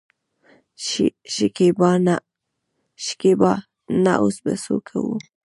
شکيبا : نو اوس به څه کوو.